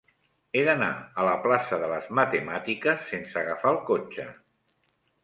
He d'anar a la plaça de les Matemàtiques sense agafar el cotxe.